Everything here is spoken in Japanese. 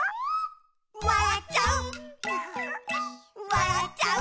「わらっちゃう」